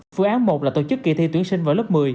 phương án một là tổ chức kỳ thi tuyển sinh vào lớp một mươi